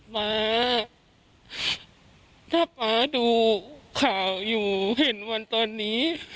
ป๊าถ้าป๊าดูข่าวอยู่เห็นวันตอนนี้